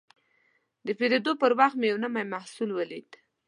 د پیرود پر وخت مې یو نوی محصول ولید.